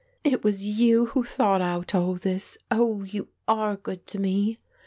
"It was you who thought out all this; oh, you are good to me."